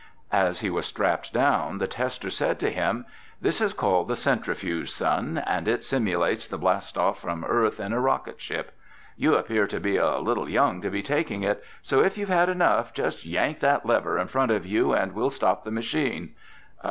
As he was strapped down, the tester said to him, "This is called the 'Centrifuge,' son, and it simulates the blast off from Earth in a rocket ship. You appear to be a little young to be taking it, so if you've had enough just yank that lever in front of you and we'll stop the machine."